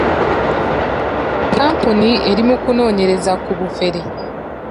Kkampuni eri mu kunoonyereza ku bufere.